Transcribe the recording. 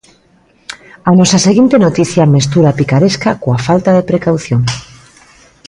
A nosa seguinte noticia mestura a picaresca coa falta de precaución.